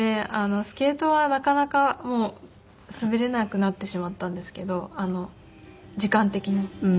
スケートはなかなか滑れなくなってしまったんですけど時間的に。